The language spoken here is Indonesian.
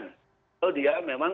oh dia memang barang yang terlarang